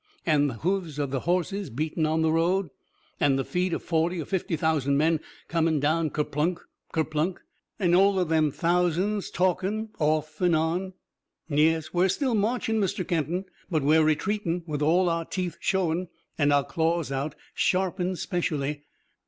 An' the hoofs of the horses beatin' in the road? An the feet of forty or fifty thousand men comin' down ker plunk! ker plunk! an' all them thousands talkin' off an' on? Yes, we're still marchin', Mr. Kenton, but we're retreatin' with all our teeth showin' an' our claws out, sharpened specially.